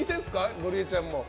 ゴリエちゃんも。